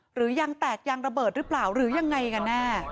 หรือยังแตกยางระเบิดหรือเปล่าหรือยังไงกันแน่